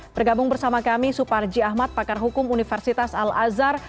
bergabung bersama kami suparji ahmad pakar hukum universitas al azhar